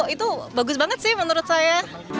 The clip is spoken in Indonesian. itu bagus banget sih menurut saya